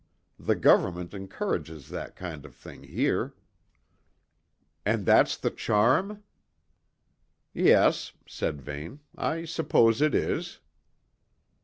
The Government encourages that kind of thing here." "And that's the charm?" "Yes," said Vane. "I suppose it is."